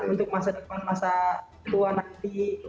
untuk masa depan masa tua nanti